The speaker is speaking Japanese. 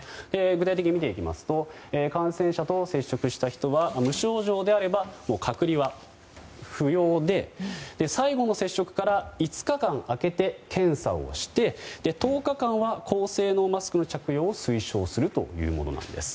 具体的に見ていきますと感染者と接触した人は無症状であれば、隔離は不要で最後の接触から５日間空けて検査をして１０日間は高性能マスクの着用を推奨するというものなんです。